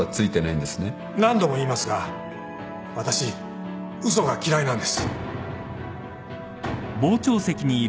何度も言いますが私嘘が嫌いなんです。